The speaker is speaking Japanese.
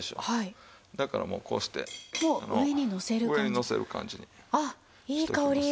だからもうこうして上にのせる感じにしておきます。